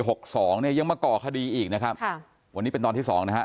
หกสองเนี่ยยังมาก่อคดีอีกนะครับค่ะวันนี้เป็นตอนที่สองนะฮะ